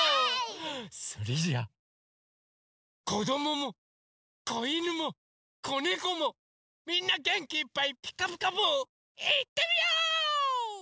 それじゃあこどももこいぬもこねこもみんなげんきいっぱい「ピカピカブ！」いってみよう！